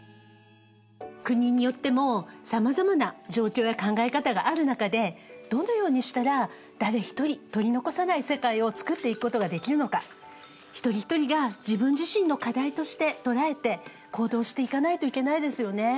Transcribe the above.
国によってもさまざまな状況や考え方がある中でどのようにしたら誰一人取り残さない世界を創っていくことができるのか一人一人が自分自身の課題として捉えて行動していかないといけないですよね。